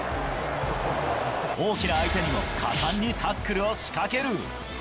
大きな相手にも果敢にタックルを仕掛ける。